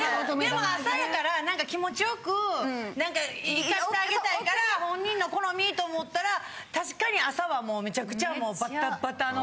でも朝やからなんか気持ちよく行かせてあげたいから本人の好みと思ったら確かに朝はもうめちゃくちゃバタバタの。